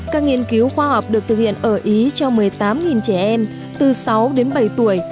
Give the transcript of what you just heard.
các nghiên cứu khoa học được thực hiện ở ý cho một mươi tám trẻ em từ sáu đến bảy tuổi